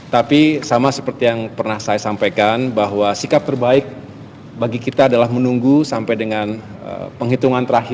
tapi sama seperti yang pernah saya sampaikan bahwa sikap terbaik bagi kita adalah menunggu sampai dengan penghitungan terakhir